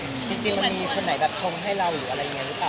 จริงมันมีคนไหนแบบทงให้เราหรืออะไรอย่างนี้หรือเปล่า